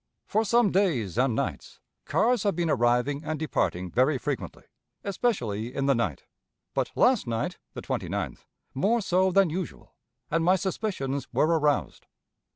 For some days and nights cars have been arriving and departing very frequently, especially in the night; but last night (the 29th) more so than usual, and my suspicions were aroused.